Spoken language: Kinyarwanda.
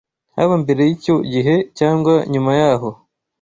haba mbere y’icyo gihe cyangwa nyuma y’aho